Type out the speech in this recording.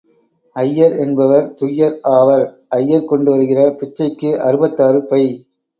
ஐயர் என்பவர் துய்யர் ஆவர். ஐயர் கொண்டு வருகிற பிச்சைக்கு அறுபத்தாறு பை.